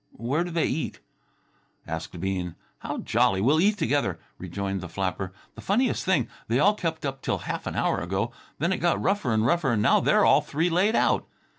"Where do they eat?" asked Bean. "How jolly! We'll eat together," rejoined the flapper. "The funniest thing! They all kept up till half an hour ago. Then it got rougher and rougher and now they're all three laid out.